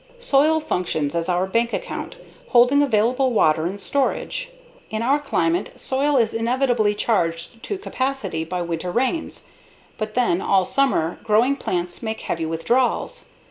Soil functions as our bank account, holding available water in storage. In our climate soil is inevitably charged to capacity by winter rains, and then all summer growing plants make heavy withdrawals.